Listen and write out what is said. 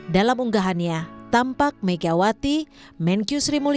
dalam unggahannya tampak megawati menkyu sri mulyani dan menteri luar negeri retno marsudi